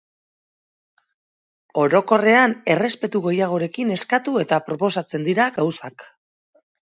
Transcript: Orokorrean errespetu gehiagorekin eskatu eta proposatzen dira gauzak.